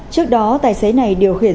trước đó tài xế này điều khiển